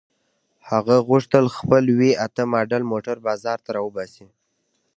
هغه غوښتل خپل وي اته ماډل موټر بازار ته را وباسي.